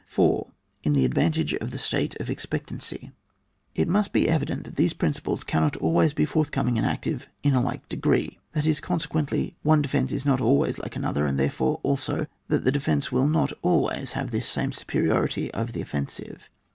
4. In the advantage of the state of expectancy. It must be evident that these principles cannot always be forthcoming and active in a like degree ; that, consequently, one defence is not always like another; and therefore, also, that the defence will not always have this same superiority over the offensive.